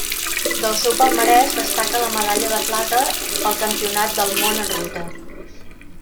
Del seu palmarès destaca la medalla de plata al Campionat del Món en ruta.